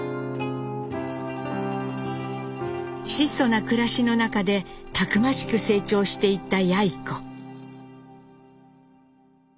質素な暮らしの中でたくましく成長していったやい子。